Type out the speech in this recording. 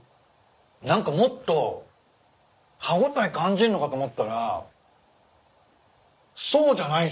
何かもっと歯応え感じんのかと思ったらそうじゃないんすね。